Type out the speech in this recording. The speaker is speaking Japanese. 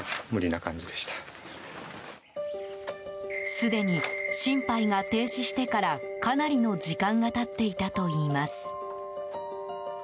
すでに心肺が停止してからかなりの時間が経っていたといいます。